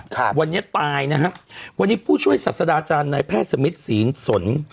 ครับวันนี้ตายนะฮะวันนี้ผู้ช่วยศาสดาอาจารย์นายแพทย์สมิทศีลสน